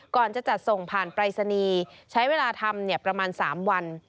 ก่อนจะจัดส่งผ่านปรายศนีย์ใช้เวลาทำประมาณ๓วัน